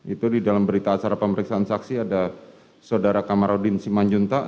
itu di dalam berita acara pemeriksaan saksi ada saudara kamarudin simanjuntak